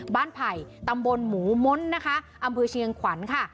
ไผ่ตำบลหมูม้นนะคะอำเภอเชียงขวัญค่ะ